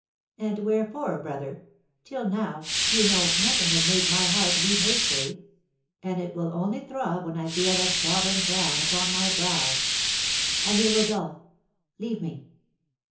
"And wherefore, brother? Till now, you know, nothing has made my heart beat hastily; and it will only throb when I feel the sovereign crown upon my brow. I hear Rodolph leave me!"